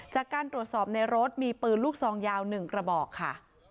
จากการตรวจสอบในรถมีปืนลูกซองยาว๑กระบอกค่ะ